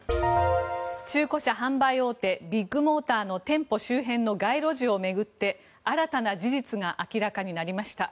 中古車販売大手ビッグモーターの店舗周辺の街路樹を巡って新たな事実が明らかになりました。